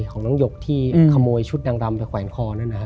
ของน้องหยกที่ขโมยชุดนางดำไปแขวนคอนั่นนะฮะ